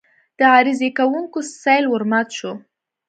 د عریضه کوونکو سېل ورمات شو.